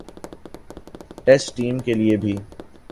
test team کے لیے بھی